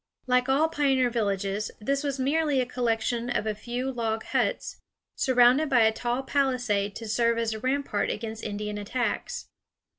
Like all pioneer villages, this was merely a collection of a few log huts, surrounded by a tall palisade to serve as a rampart against Indian attacks.